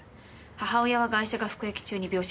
母親はガイシャが服役中に病死したようです。